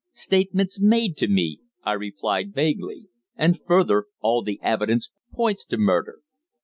"Statements made to me," I replied vaguely. "And further, all the evidence points to murder."